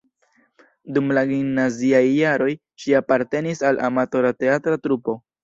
Dum la gimnaziaj jaroj ŝi apartenis al amatora teatra trupo.